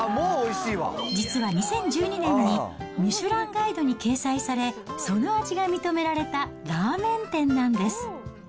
実は２０１２年に、ミシュランガイドに掲載され、その味が認められたラーメン店なんです。